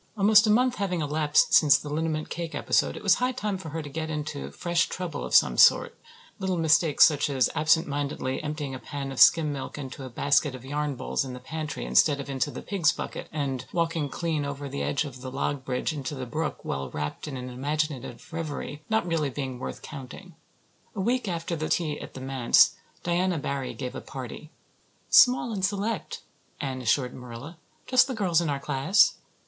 Almost a month having elapsed since the liniment cake episode, it was high time for her to get into fresh trouble of some sort, little mistakes, such as absentmindedly emptying a pan of skim milk into a basket of yarn balls in the pantry instead of into the pigs' bucket, and walking clean over the edge of the log bridge into the brook while wrapped in imaginative reverie, not really being worth counting. A week after the tea at the manse Diana Barry gave a party. "Small and select," Anne assured Marilla. "Just the girls in our class."